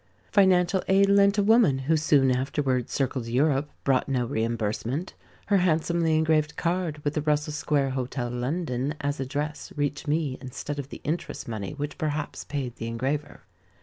Financial aid lent a woman who soon afterward circled Europe, brought no reimbursement. Her handsomely engraved card, with the "Russell Square Hotel, London," as address, reached me instead of the interest money which perhaps paid the engraver.